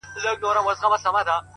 • گراني بس څو ورځي لا پاته دي؛